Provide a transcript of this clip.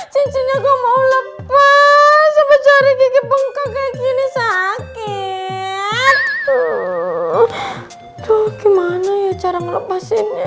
cincinnya kau mau lepas sama cara gigi bungka kayak gini sakit tuh gimana ya cara melepaskannya